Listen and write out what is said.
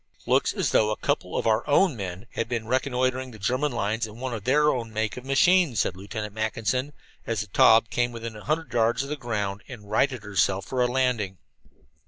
"Looks as though a couple of our men had been reconnoitering the German lines in one of their own make of machines," said Lieutenant Mackinson, as the Taube came within a hundred yards of the ground and righted herself for a landing.